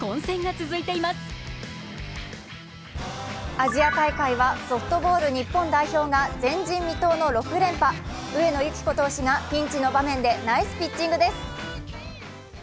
アジア大会はソフトボール日本代表が前人未到の６連覇上野由岐子投手がピンチの場面でナイスピッチングです。